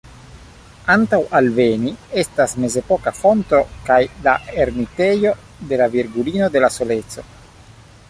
Antaŭ alveni, estas mezepoka fonto kaj la ermitejo de la Virgulino de la Soleco.